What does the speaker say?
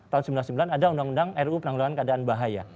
tahun sembilan puluh sembilan ada undang undang ruu penanggulangan keadaan bahaya